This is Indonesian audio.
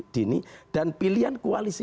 dini dan pilihan koalisi